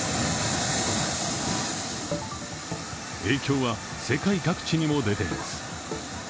影響は世界各地にも出ています。